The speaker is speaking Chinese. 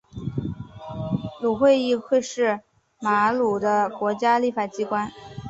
瑙鲁议会是瑙鲁的国家立法机关。